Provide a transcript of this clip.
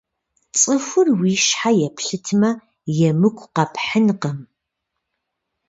ЦӀыхур уи щхьэ еплъытмэ, емыкӀу къэпхьынкъым.